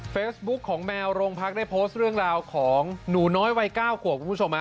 เฟซบุ๊คของแมวโรงพักได้โพสต์เรื่องราวของหนูน้อยวัย๙ขวบคุณผู้ชม